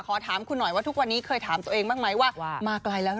ขอถามคุณหน่อยว่าทุกวันนี้เคยถามตัวเองบ้างไหมว่า